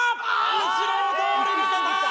後ろを通り抜けた！